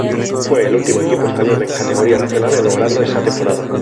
Fue el último equipo español en categoría nacional en lograrlo esa temporada.